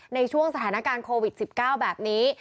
ในช่วงสถานการณ์โควิด๑๙แบบนี้